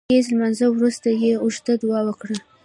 د ګهیځ لمانځه وروسته يې اوږده دعا وکړه